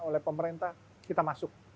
oleh pemerintah kita masuk